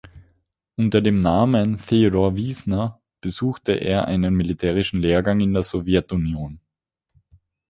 Unter dem Namen "Theodor Wiessner" besuchte er einen militärischen Lehrgang in der Sowjetunion.